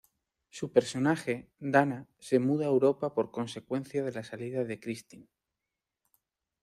Su personaje, Dana, se muda a Europa por consecuencia de la salida de Kristin.